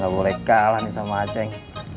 gak boleh kalah nih sama aceng